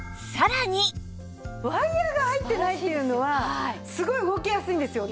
ワイヤが入ってないっていうのはすごい動きやすいんですよ。